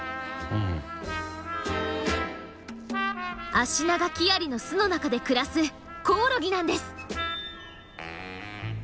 アシナガキアリの巣の中で暮らすコオロギなんです。